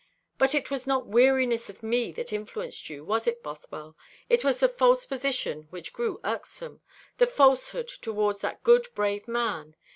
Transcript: But it was not weariness of me that influenced you, was it, Bothwell? It was the false position which grew irksome; the falsehood towards that good, brave man.